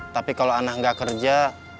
tapi kalau anah gak kerja